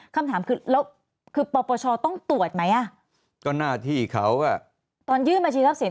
คำถามคือแล้วคือปปชต้องตรวจไหมอ่ะก็หน้าที่เขาอ่ะตอนยื่นบัญชีทรัพสิน